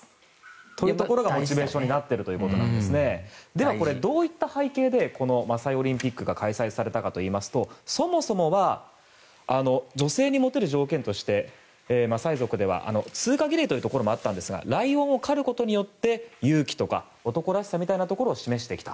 そういうところがモチベーションになっているそうですがこれ、どういった背景でマサイ・オリンピックが開催されたかといいますとそもそもは女性にモテる条件としてマサイ族では通過儀礼というところもあったんですがライオンを狩ることによって勇気とか男らしさみたいなものを示してきた。